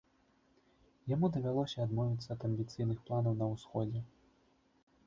Яму давялося адмовіцца ад амбіцыйных планаў на ўсходзе.